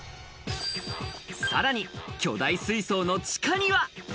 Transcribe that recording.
さらに巨大水槽の地下には。